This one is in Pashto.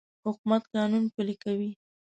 حکومت قانون پلی کوي.